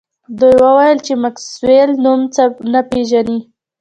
دوی وویل چې میکسویل نوم نه پیژني